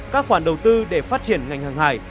các khoản đầu tư để phát triển ngành hàng hải